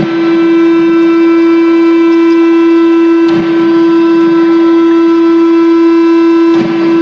persiapan pembacaan teks proklamasi